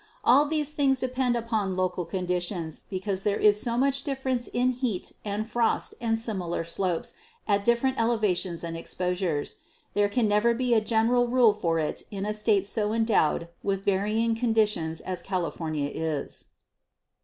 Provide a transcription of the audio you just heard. All these things depend upon local conditions, because there is so much difference in heat and frost and similar slopes at different elevations and exposures. There can never be a general rule for it in a State so endowed with varying conditions as California is.